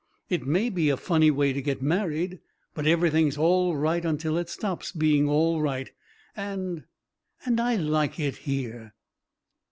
"It may be a funny way to get married; but everything's all right until it stops being all right, and and I like it here."